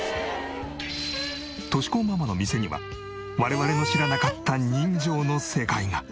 敏子ママの店には我々の知らなかった人情の世界が。